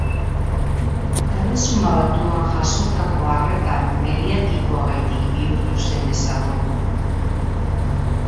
Erresuma Batuan jasotako arreta mediatikoagatik bihurtu zen ezagun.